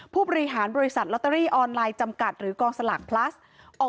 ผู้บริหารบริษัทล็อตเตอรี่ออนไลน์จำกัดหรือกองสลักพลัสออกมาชี้แจง